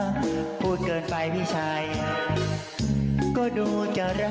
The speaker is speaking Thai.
ก่อนที่จะก่อเหตุนี้นะฮะไปดูนะฮะสิ่งที่เขาได้ทิ้งเอาไว้นะครับ